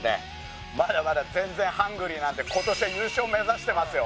まだまだ全然ハングリーなんで今年は優勝目指してますよ